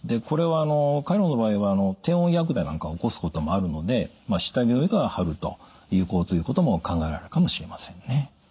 これはカイロの場合は低温やけどなんかを起こすこともあるので下着の上から貼ると有効ということも考えられるかもしれませんね。